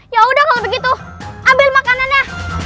ya udah kalau begitu ambil makanannya